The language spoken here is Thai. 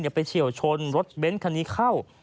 เดี๋ยวไปเฉี่ยวชนรถเบนส์คันนี้เข้า